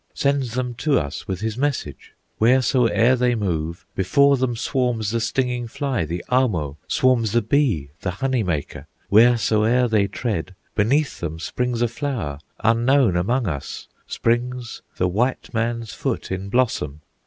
Sends them to us with his message. Wheresoe'er they move, before them Swarms the stinging fly, the Ahmo, Swarms the bee, the honey maker; Wheresoe'er they tread, beneath them Springs a flower unknown among us, Springs the White man's Foot in blossom.